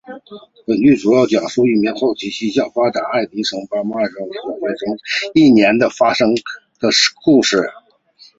本剧主要讲述一名好奇心像发明家爱迪生般旺盛的小学生在小学一年级发生的故事。